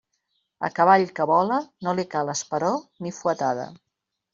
A cavall que vola, no li cal esperó ni fuetada.